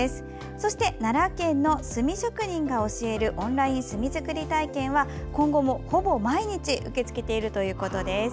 そして奈良県の「墨職人が教えるオンライン墨作り体験」は今後も、ほぼ毎日受け付けているということです。